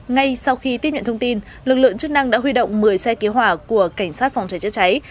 ngay sau khi tiếp nhận thông tin lực lượng chức năng đã huy động một mươi xe cứu hỏa của cảnh sát phòng cháy chữa cháy